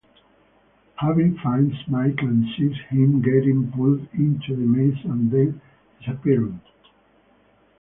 Hubie finds Mike and sees him getting pulled into the maze and then disappearing.